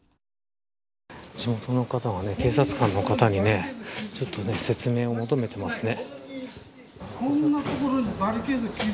地元の方が警察官の方にちょっと説明を求めてますね。